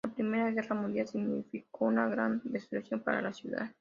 La Primera Guerra Mundial significó una gran destrucción para la ciudad.